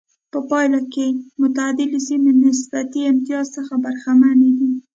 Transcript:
په پایله کې معتدله سیمې نسبي امتیاز څخه برخمنې دي.